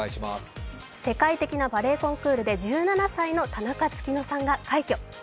世界的なバレーコンクールで１７歳の女性が快挙。